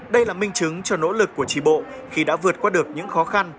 đây là minh chứng cho nỗ lực của trí bộ khi đã vượt qua được những khó khăn